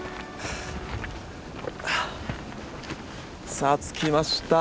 さあ着きました。